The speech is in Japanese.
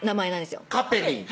カペリン